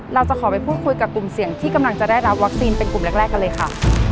เราจะขอไปพูดคุยกับกลุ่มเสี่ยงที่กำลังจะได้รับวัคซีนเป็นกลุ่มแรกกันเลยค่ะ